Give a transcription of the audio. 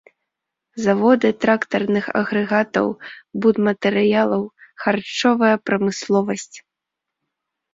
Заводы трактарных агрэгатаў, будматэрыялаў, харчовая прамысловасць.